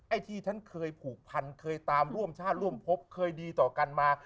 ไอ้ที่ฉันเคยผูกพันเคยตามร่วมชาติร่วมพบเคยดีต่อกันมา